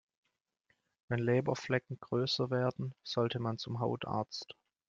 Wenn Leberflecken größer werden, sollte man zum Hautarzt.